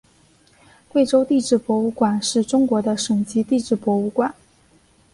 贵州地质博物馆是中国的省级地质博物馆。